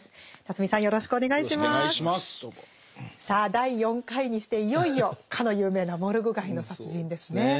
さあ第４回にしていよいよかの有名な「モルグ街の殺人」ですね。